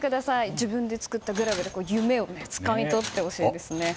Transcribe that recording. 自分で作ったグラブで夢をつかみ取ってほしいですね。